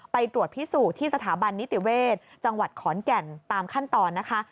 ไปตรวจพิสูจน์ที่สถาบันนิติเวศจังหวัดขอนแก่นตามขั้นตอนนะคะ